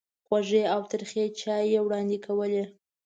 خوږې او ترخې چایوې وړاندې کولې.